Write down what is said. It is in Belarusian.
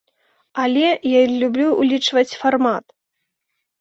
Але я люблю ўлічваць фармат.